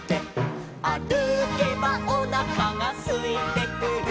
「あるけばおなかがすいてくる」